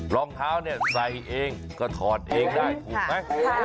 รองเท้าเนี่ยใส่เองก็ถอดเองได้ถูกไหม